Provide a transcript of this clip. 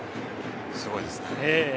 すごいですね。